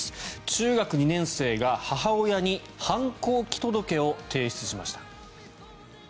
中学２年生が母親に反抗期届を提出しました。